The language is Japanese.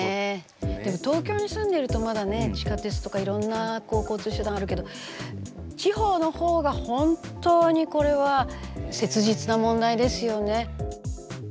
でも東京に住んでるとまだね地下鉄とかいろんな交通手段あるけど地方の方が本当にこれは切実な問題ですよね。